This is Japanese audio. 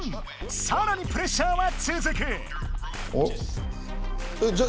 さらにプレッシャーはつづく。